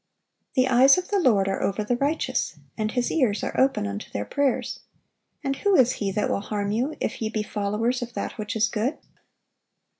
(926) "The eyes of the Lord are over the righteous, and His ears are open unto their prayers.... And who is he that will harm you, if ye be followers of that which is good?"